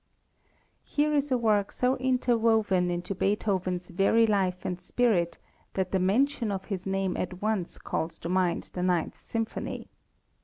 Here is a work so interwoven into Beethoven's very life and spirit, that the mention of his name at once calls to mind the Ninth Symphony.